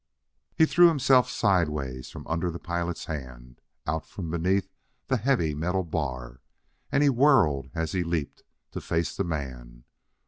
He threw himself sideways from under the pilot's hand, out from beneath the heavy metal bar and he whirled, as he leaped, to face the man.